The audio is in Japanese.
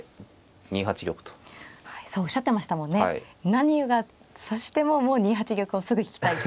何が指してももう２八玉をすぐ引きたいと。